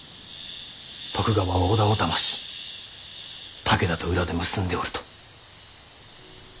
徳川は織田をだまし武田と裏で結んでおると。